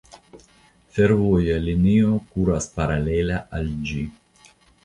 Fervoja linio kuras paralela al ĝi.